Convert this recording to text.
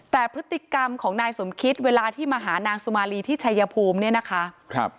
แต่พฤติกรรมของนายสมคิตเวลาที่มาหานางสุมารีที่ชัยภูมิเนี่ยนะคะ